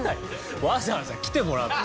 わざわざ来てもらって。